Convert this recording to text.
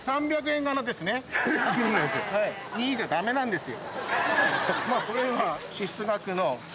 ３００円なんです。